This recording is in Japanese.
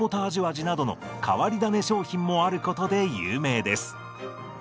味などの変わり種商品もあることで有名です。